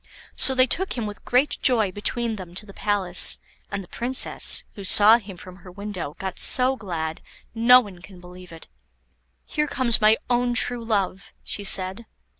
So they took him with great joy between them to the palace, and the Princess, who saw him from her window, got so glad, no one can believe it. "Here comes my own true love," she said.